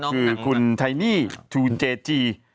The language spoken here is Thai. ก็คือทุนเจจี